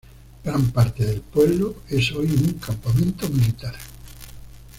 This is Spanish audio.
Gran parte del pueblo es hoy un campamento militar.